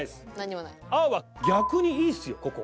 青は「逆にいいですよここ」。